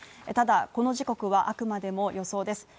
ただ、この時刻はあくまでも予想です。